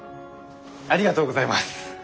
ありがとうございます。